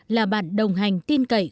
là bạn đồng hành tin cậy